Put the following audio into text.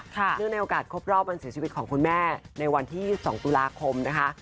เนื่องในโอกาสครบรอบวันเสียชีวิตของคุณแม่ในวันที่๒ตุลาคมนะคะ